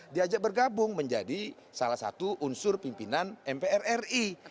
diajak bergabung menjadi salah satu unsur pimpinan mpr ri